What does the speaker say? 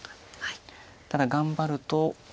ただ頑張ると。